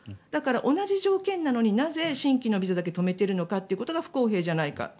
だから同じ条件なのになぜ、新規のビザだけ止めているのかというのが不公平じゃないか。